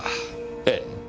ええ。